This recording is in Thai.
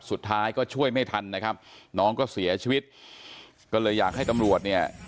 สุดท้ายก็ช่วยไม่ทันนะครับน้องก็เสียชีวิตก็เลยอยากให้ตำรวจเนี่ย